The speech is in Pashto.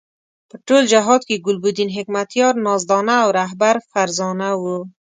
په ټول جهاد کې ګلبدین حکمتیار نازدانه او رهبر فرزانه وو.